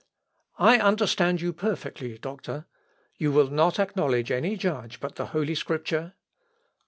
_ "I understand you perfectly, doctor. You will not acknowledge any judge but the Holy Scripture?"